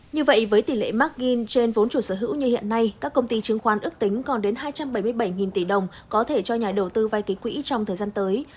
như vậy với tỷ lệ markin trên vốn chủ sở hữu như hiện nay các công ty chứng khoán ước tính còn đến hai trăm bảy mươi bảy tỷ đồng có thể cho nhà đầu tư vai ký quỹ trong thời gian tới